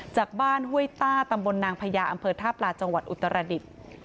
จากบ้านห้วยต้าตำบลนางพญาอำเภอทาบลาจังหวัดอุตรศาสตร์อุตรศาสตร์อดิษฐ์